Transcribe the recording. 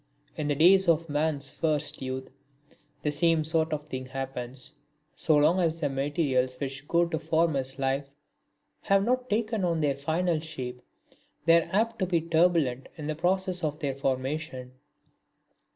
In the days of man's first youth the same sort of thing happens. So long as the materials which go to form his life have not taken on their final shape they are apt to be turbulent in the process of their formation.